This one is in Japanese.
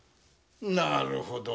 なるほど。